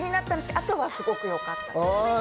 あとはすごくよかったです。